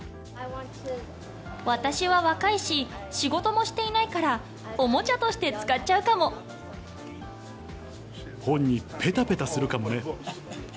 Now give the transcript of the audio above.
私は若いし、仕事もしていないから、本にぺたぺたするかもね。